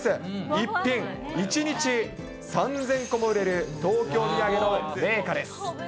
逸品、１日３０００個も売れる東京土産の銘菓です。